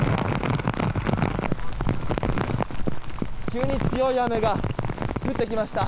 急に強い雨が降ってきました。